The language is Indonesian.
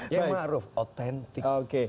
yayu ma'ruf autentik